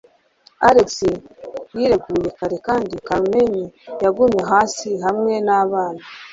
Alex yireguye kare kandi Carmen yagumye hasi hamwe nabana.